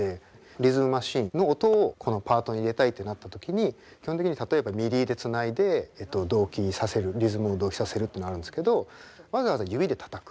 リズムマシンの音をこのパートに入れたいってなった時に基本的に例えばＭＩＤＩでつないで同期させるリズムを同期させるっていうのがあるんですけどわざわざ指でたたく。